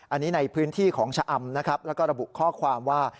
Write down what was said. อันนี้ในพื้นที่ของชะอำนะครับแล้วก็ระบุข้อความว่า